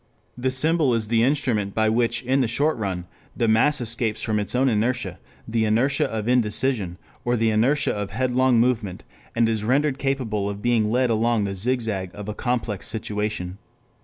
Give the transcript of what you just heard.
The symbol is the instrument by which in the short run the mass escapes from its own inertia, the inertia of indecision, or the inertia of headlong movement, and is rendered capable of being led along the zigzag of a complex situation.